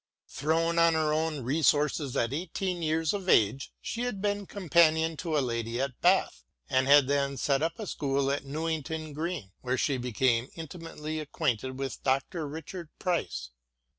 Thrown on her own resources at eighteen years of age, she had been companion to a lady at Bath, and had then set up a school at Newington Green, where she became intimately acquainted with Dr. Richard Price.